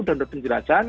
dan sudah penjelasan